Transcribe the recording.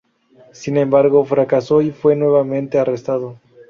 Sin embargo fracasó y fue nuevamente arrestado.